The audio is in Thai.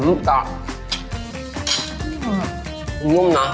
อืมยุ่มนะ